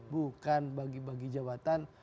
bukan bagi bagi jabatan